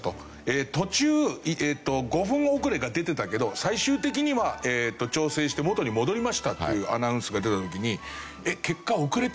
「途中５分遅れが出てたけど最終的には調整して元に戻りました」っていうアナウンスが出た時に。